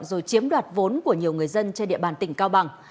rồi chiếm đoạt vốn của nhiều người dân trên địa bàn tỉnh cao bằng